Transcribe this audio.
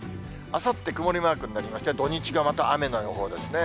あさって曇りマークになりまして、土日がまた雨の予報ですね。